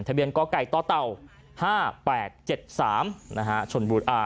ทะเบียนก๊อกไก่ต้อเต่าห้าแปดเจ็ดสามนะฮะชนบุรอ่า